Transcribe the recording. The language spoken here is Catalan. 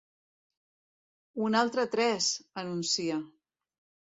Un altre tres! –anuncia–.